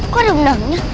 kok ada benangnya